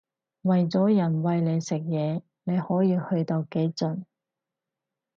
為咗人餵你食嘢你可以去到幾盡